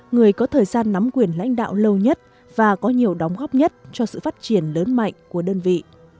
người có thời gian nắm quyền lãnh đạo lâu nhất và có nhiều đóng góp nhất cho sự phát triển lớn mạnh của đơn vị